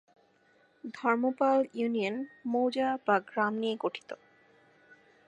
Dharmapala union মৌজা/গ্রাম নিয়ে গঠিত।